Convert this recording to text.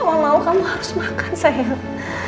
kalau mau kamu harus makan sayang